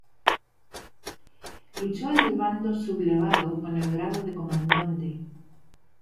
Luchó en el bando sublevado con el grado de comandante.